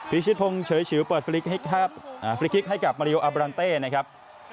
ฟิลล์ชิดพงศ์เฉยเปิดฟลิกคลิกให้กับมาริโยอับรันเต้นะครับ